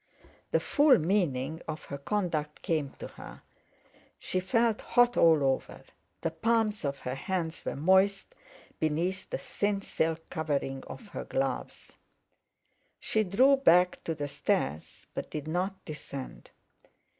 The full meaning of her conduct came to her. She felt hot all over; the palms of her hands were moist beneath the thin silk covering of her gloves. She drew back to the stairs, but did not descend.